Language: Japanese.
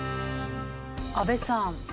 阿部さん。